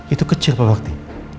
itu kecil pak bakti